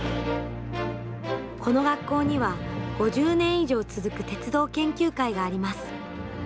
この学校には５０年以上続く鉄道研究会があります。